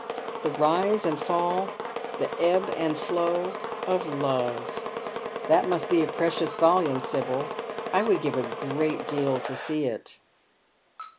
" The rise and fall, tlie ebb and flow, of love. That must be a precious volume, Sibyl. I would give a great deal to see it."